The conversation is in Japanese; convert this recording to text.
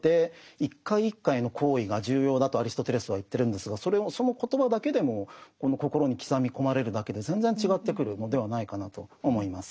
とアリストテレスは言ってるんですがその言葉だけでも心に刻み込まれるだけで全然違ってくるのではないかなと思います。